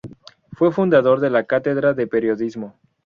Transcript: Fue fundador de la cátedra de Periodismo.